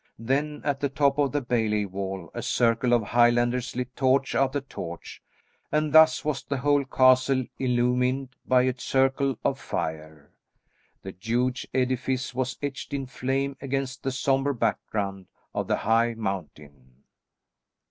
Then at the top of the bailey wall a circle of Highlanders lit torch after torch, and thus was the whole castle illumined by a circle of fire. The huge edifice was etched in flame against the sombre background of the high mountain.